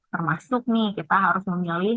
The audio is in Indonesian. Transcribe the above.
termasuk nih kita harus memilih